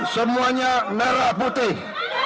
semuanya merah putih